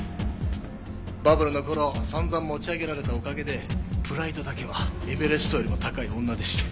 バブルの頃散々持ち上げられたおかげでプライドだけはエベレストよりも高い女でして。